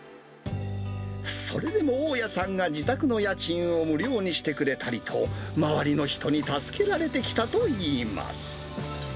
それでも大家さんが自宅の家賃を無料にしてくれたりと、周りの人に助けられてきたといいます。